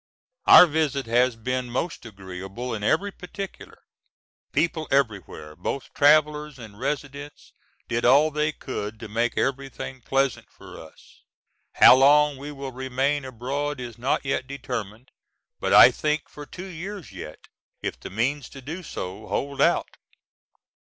Our visit has been most agreeable in every particular. People everywhere, both travellers and residents, did all they could to make everything pleasant for us. How long we will remain abroad is not yet determined, but I think for two years yet if the means to do so hold out.